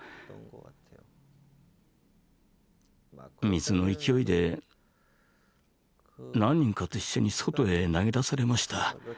水の勢いで何人かと一緒に外へ投げ出されました。